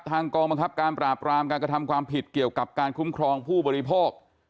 กองบังคับการปราบรามการกระทำความผิดเกี่ยวกับการคุ้มครองผู้บริโภค